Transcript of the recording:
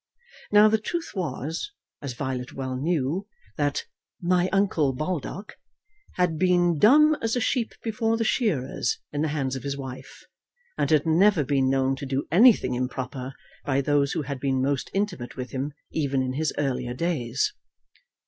Now, the truth was, as Violet well knew, that "my uncle Baldock" had been dumb as a sheep before the shearers in the hands of his wife, and had never been known to do anything improper by those who had been most intimate with him even in his earlier days.